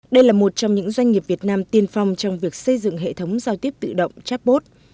đây là một trong những doanh nghiệp việt nam tiên phong trong việc xây dựng hệ thống giao tiếp tự động chatbot